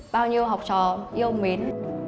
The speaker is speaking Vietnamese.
bao nhiêu học trò yêu mến